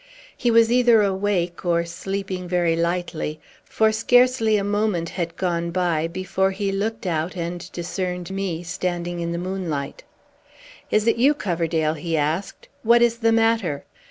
He was either awake or sleeping very lightly; for scarcely a moment had gone by before he looked out and discerned me standing in the moonlight. "Is it you, Coverdale?" he asked. "What is the matter?"